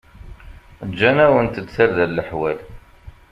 Ǧǧan-awent-d tarda leḥwal.